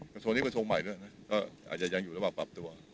กระโสนี้เป็นส่วนใหม่ด้วยนะก็อาจจะยังอยู่ระหว่างปรับตัว